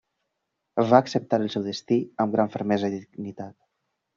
Va acceptar el seu destí amb gran fermesa i dignitat.